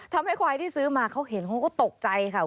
ทำให้ควายที่ซื้อมาเขาเห็นเขาก็ตกใจค่ะ